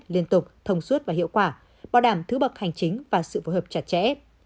liên tục thông suốt và hiệu quả bảo đảm thứ bậc hành chính và sự phối hợp chặt chẽ